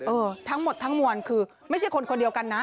ทั้งหมดทั้งมวลคือไม่ใช่คนคนเดียวกันนะ